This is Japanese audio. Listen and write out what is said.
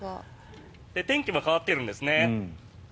天気が変わっているんですね。